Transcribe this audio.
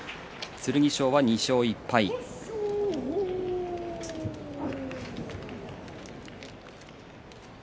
剣翔は２勝１敗です。